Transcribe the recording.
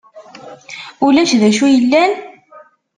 Ulac d acu yellan?